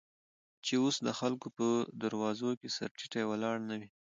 چې اوس دخلکو په دروازو، کې سر تيټى ولاړ نه وې.